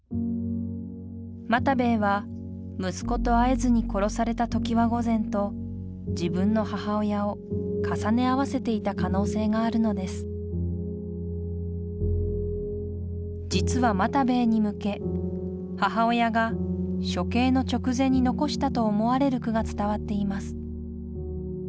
又兵衛は息子と会えずに殺された常盤御前と自分の母親を重ね合わせていた可能性があるのです実は又兵衛に向け母親が処刑の直前に残したと思われる句が伝わっています。